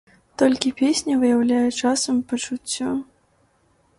Толькі песня выяўляе часам пачуццё.